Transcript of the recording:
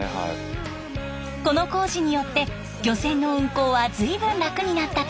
この工事によって漁船の運航は随分楽になったといいます。